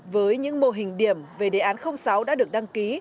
với những mô hình điểm về đề án sáu đã được đăng ký